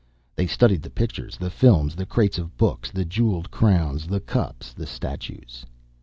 They studied the pictures, the films, the crates of books, the jeweled crowns, the cups, the statues.